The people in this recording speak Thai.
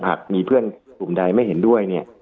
หากมีเพื่อนกลุ่มใดไม่เห็นด้วยเนี่ย